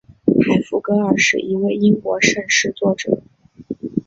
海弗格尔是一位英国圣诗作者。